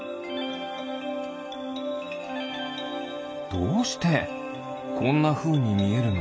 どうしてこんなふうにみえるの？